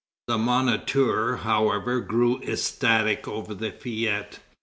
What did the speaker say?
The Moniteur, however, grew ecstatic over the fête.